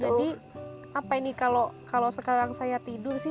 jadi apa ini kalau sekarang saya tidur sih